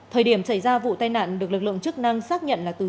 thời điểm xảy ra vụ tai nạn được lực lượng chức năng xác nhận là từ